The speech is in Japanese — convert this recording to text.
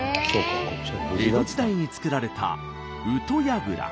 江戸時代に造られた宇土櫓。